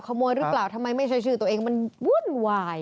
ขโมยหรือเปล่าทำไมไม่ใช่ชื่อตัวเองมันวุ่นวาย